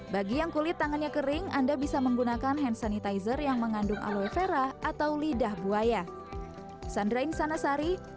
bagi yang kulit tangannya kering anda bisa menggunakan hand sanitizer yang mengandung aloe vera atau lidah buaya